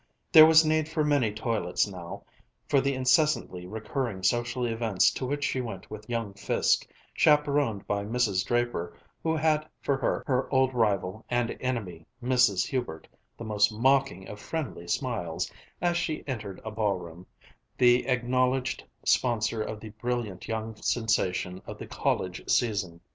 There was need for many toilets now, for the incessantly recurring social events to which she went with young Fiske, chaperoned by Mrs. Draper, who had for her old rival and enemy, Mrs. Hubert, the most mocking of friendly smiles, as she entered a ballroom, the acknowledged sponsor of the brilliant young sensation of the college season.